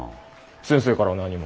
先生からは何も。